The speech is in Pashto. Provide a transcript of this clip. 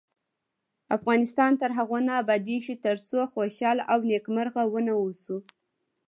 افغانستان تر هغو نه ابادیږي، ترڅو خوشحاله او نیکمرغه ونه اوسو.